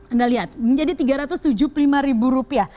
anda lihat ini jadi rp tiga ratus tujuh puluh lima